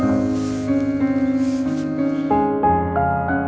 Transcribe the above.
aku mau ke sana